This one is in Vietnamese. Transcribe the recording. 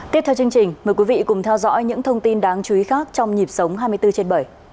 tiếp theo chương trình mời quý vị cùng theo dõi những thông tin đáng chú ý khác trong nhịp sống hai mươi bốn trên bảy